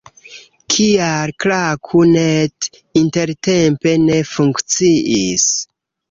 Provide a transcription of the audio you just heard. Kial Klaku.net intertempe ne funkciis?